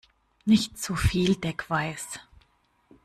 Nicht so viel Deckweiß!